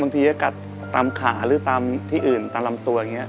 บางทีอากาศตามขาหรือตามที่อื่นตามลำตัวอย่างเงี้ย